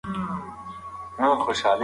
موږ په انټرنیټ کې له نویو علومو سره بلدېږو.